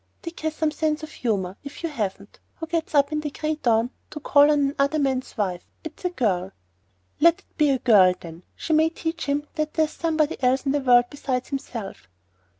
"Dick has some sense of humour, if you haven't. Who gets up in the gray dawn to call on another man's wife? It's a girl." "Let it be a girl, then. She may teach him that there's somebody else in the world besides himself."